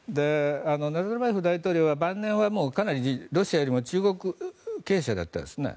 ナザルバエフ大統領は晩年はかなり、ロシアよりも中国傾斜だったんですね。